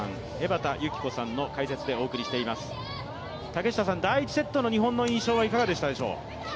竹下さん、第１セットの日本の印象はいかがでしたでしょう？